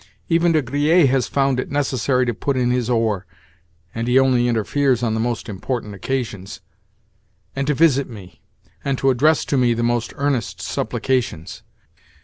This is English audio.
Even De Griers has found it necessary to put in his oar (and he only interferes on the most important occasions), and to visit me, and to address to me the most earnest supplications.